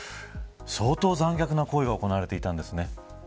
相当、残虐な行為が行われていたんですね。